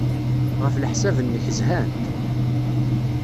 Ɣef leḥsab-nnek, zhant?